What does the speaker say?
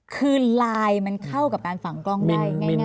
คือไลน์มันเข้ากับการฝังกล้องได้ง่าย